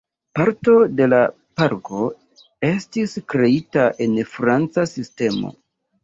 Parto de la parko estis kreita en franca sistemo.